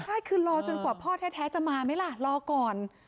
ใช่คือรอจนกว่าพ่อแท้จะมาไหมล่ะรอก่อน